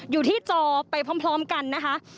อยู่ที่จอไปพร้อมกันนะคะ